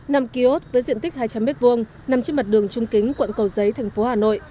nằm ký ốt với diện tích hai trăm linh m hai nằm trên mặt đường trung kính quận cầu giấy thành phố hà nội